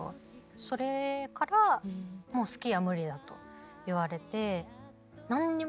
それからもうスキーは無理だと言われて何にもえ？